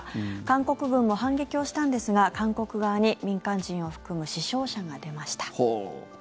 韓国軍も反撃をしたんですが韓国側に民間人を含む死傷者が出ました。